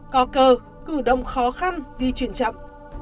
có cơ cử động khó khăn di chuyển chậm